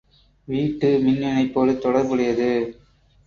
வீட்டு மின் இணைப்போடு தொடர்புடையது.